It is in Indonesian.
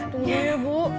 tunggu ya bu